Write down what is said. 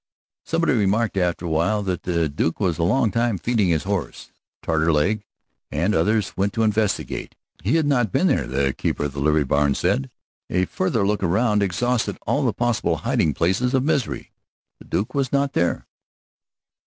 Somebody remarked after a while that the Duke was a long time feeding that horse. Taterleg and others went to investigate. He had not been there, the keeper of the livery barn said. A further look around exhausted all the possible hiding places of Misery. The Duke was not there.